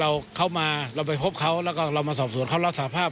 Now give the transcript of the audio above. เข้ามาเราไปพบเขาแล้วก็เรามาสอบสวนเขารับสาภาพ